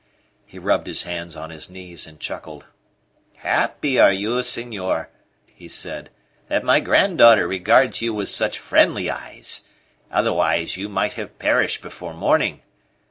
He rubbed his hands on his knees and chuckled. "Happy for you, senor," he said, "that my granddaughter regards you with such friendly eyes, otherwise you might have perished before morning.